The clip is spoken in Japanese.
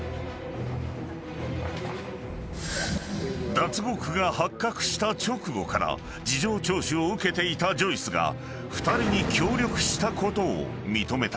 ［脱獄が発覚した直後から事情聴取を受けていたジョイスが２人に協力したことを認めた］